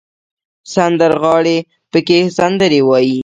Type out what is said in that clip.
سندرغاړي پکې سندرې وايي.